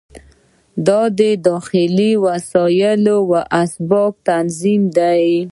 دا د داخلي وسایلو او اسبابو تنظیم دی.